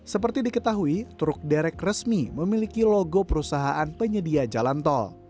seperti diketahui truk derek resmi memiliki logo perusahaan penyedia jalan tol